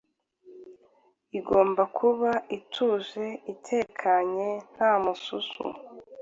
Igomba kuba ituje, itekanye, nta mususu.